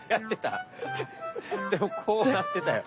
でもこうなってたよ。